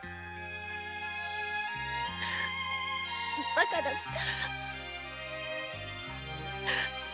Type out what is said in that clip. バカだった。